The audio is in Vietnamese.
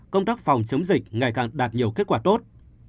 công tác phòng chống dịch ngày càng đạt nhiều kết quả tốt